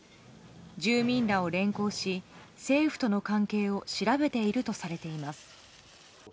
住民らを連行し政府との関係を調べているとされています。